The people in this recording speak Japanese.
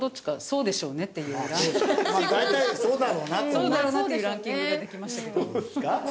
そうだろうなっていうランキングができましたけど。